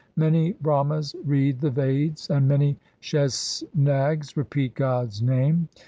Many Brahmas read the Veds, And many Sheshnags repeat God's name.